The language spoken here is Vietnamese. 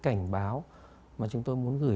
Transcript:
cảnh báo mà chúng tôi muốn gửi